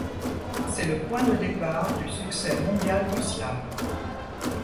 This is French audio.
C'est le point de départ du succès mondial du slam.